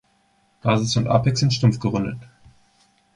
Basis und Apex sind stumpf gerundet.